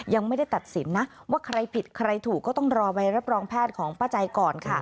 ยังไม่ได้ตัดสินนะว่าใครผิดใครถูกก็ต้องรอใบรับรองแพทย์ของป้าใจก่อนค่ะ